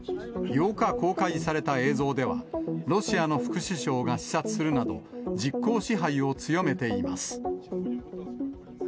８日公開された映像では、ロシアの副首相が視察するなど、実効支配を強めています。